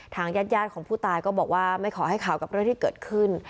ทางญาติของผู้ตายก็บอกว่าไม่ขอให้ข่าวกับเรื่องที่เกิดขึ้น